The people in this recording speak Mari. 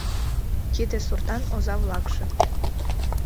Тиде суртан оза-влакше